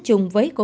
trở lại như thế nào